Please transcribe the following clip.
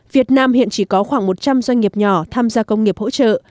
việt nam hiện chỉ có khoảng một trăm linh doanh nghiệp nhỏ tham gia công nghiệp hỗ trợ